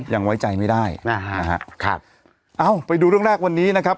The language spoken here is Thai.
ยังไว้ใจไม่ได้นะฮะครับเอ้าไปดูเรื่องแรกวันนี้นะครับ